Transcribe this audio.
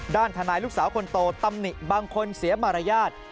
ด้านทนายลูกสาวคนโตตำหนิบางคนเสียมารยาท